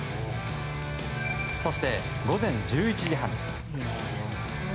そして、午前１１時半。